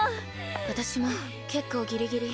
私も結構ギリギリ。